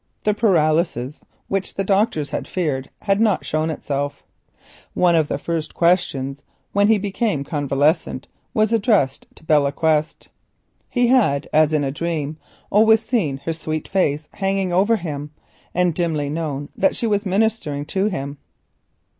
The paralysis which the doctors feared had not shown itself. One of his first questions when he became convalescent was addressed to Belle Quest. As in a dream, he had always seen her sweet face hanging over him, and dimly known that she was ministering to him.